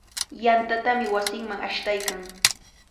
Yantatami wasinman ashtaykan.